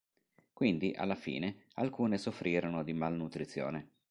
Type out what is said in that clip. Quindi, alla fine alcune soffrirono di malnutrizione.